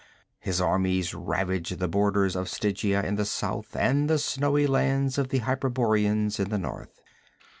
His armies ravaged the borders of Stygia in the south and the snowy lands of the Hyperboreans in the north.